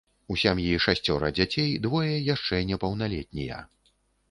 У сям'і шасцёра дзяцей, двое яшчэ непаўналетнія.